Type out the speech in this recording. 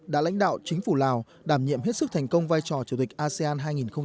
đã lãnh đạo chính phủ lào đảm nhiệm hết sức thành công vai trò chủ tịch asean hai nghìn hai mươi